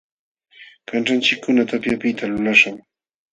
Kanćhanchikkuna tapyapiqta lulaśhqam.